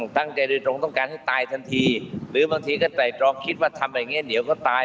ตั้งใจโดยตรงต้องการให้ตายทันทีหรือบางทีก็ไต่ตรองคิดว่าทำอะไรอย่างเงี้เดี๋ยวก็ตาย